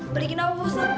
balikin apa star musen